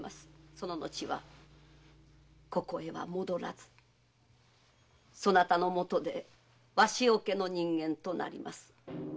そののちはここへは戻らずそなたの許で鷲尾家の人間となります。